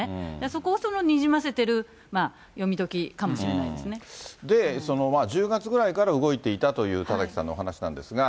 そこをにじませている、まあ、１０月ぐらいから動いていたという田崎さんのお話なんですが。